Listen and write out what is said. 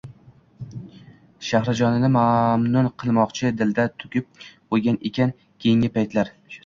Shahrijonini mamnun qilmoqni dilida tugib qo‘ygan ekan keyingi paytlar.